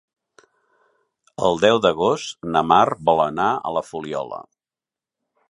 El deu d'agost na Mar vol anar a la Fuliola.